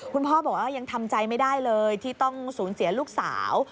คุณพ่อบอกว่ายังทำใจไม่ได้เลยที่ต้องสูญเสียลูกสาว